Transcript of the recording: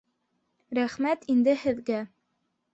Рәхмәт инде һеҙгә